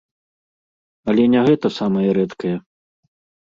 Але не гэта самае рэдкае.